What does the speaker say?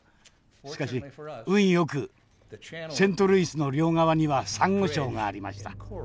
しかし運よくセントルイスの両側にはさんご礁がありました。